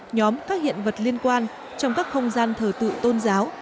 nhóm các hiện vật liên quan trong các không gian thờ tự tôn giáo